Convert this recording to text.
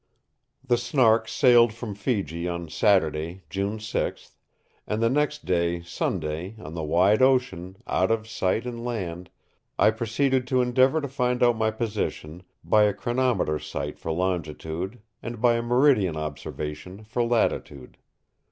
The Snark sailed from Fiji on Saturday, June 6, and the next day, Sunday, on the wide ocean, out of sight of land, I proceeded to endeavour to find out my position by a chronometer sight for longitude and by a meridian observation for latitude.